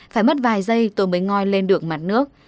phải mất vài giây tôi mới ngoi lên được mặt nước